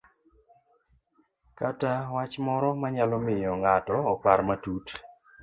kata wach moro manyalo miyo ng'ato opar matut.